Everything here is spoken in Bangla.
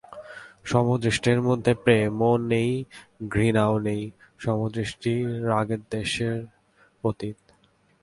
সমদৃষ্টির মধ্যে প্রেমও নেই, ঘৃণাও নেই–সমদৃষ্টি রাগদ্বেষের অতীত।